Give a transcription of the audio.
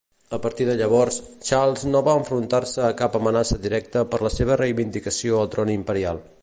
A partir de llavors, Charles no va enfrontar-se a cap amenaça directa per la seva reivindicació al tron imperial.